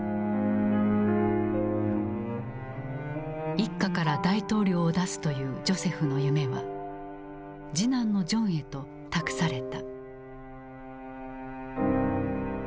一家から大統領を出すというジョセフの夢は次男のジョンへと託された。